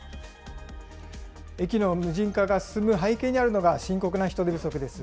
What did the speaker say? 駅の無人化が進む背景にあるのが、深刻な人手不足です。